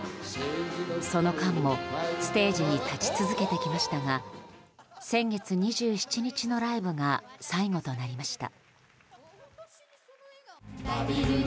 その間もステージに立ち続けてきましたが先月２７日のライブが最後となりました。